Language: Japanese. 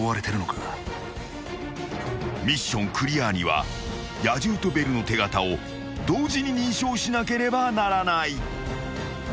［ミッションクリアには野獣とベルの手形を同時に認証しなければならない］